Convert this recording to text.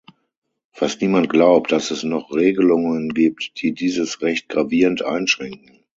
Fast niemand glaubt, dass es noch Regelungen gibt, die dieses Recht gravierend einschränken.